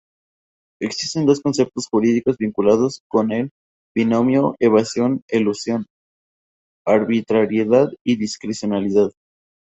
Existen dos conceptos jurídicos vinculados con el binomio evasión-elusión: arbitrariedad y discrecionalidad.